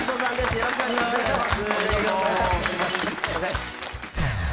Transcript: よろしくお願いします。